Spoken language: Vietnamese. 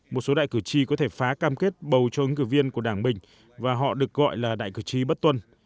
một số đại cử tri có thể phá cam kết bầu cho ứng cử viên của đảng mình và họ được gọi là đại cử tri bất tuân